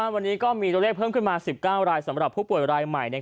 วันนี้ก็มีตัวเลขเพิ่มขึ้นมา๑๙รายสำหรับผู้ป่วยรายใหม่